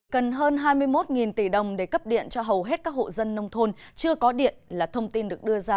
cần hơn hai mươi một tỷ đồng để cấp điện cho hầu hết các hộ dân nông thôn chưa có điện là thông tin được đưa ra